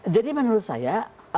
jadi menurut saya